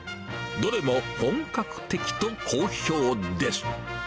どれも本格的と好評です。